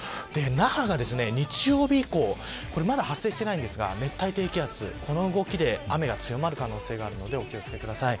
那覇は日曜日以降、まだ発生していませんが熱帯低気圧の動きで雨が強まる可能性があるので気を付けてください。